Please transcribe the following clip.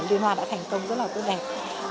liên hoan đã thành công rất là tốt đẹp